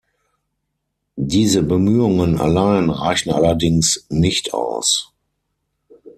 Diese Bemühungen allein reichen allerdings nicht aus.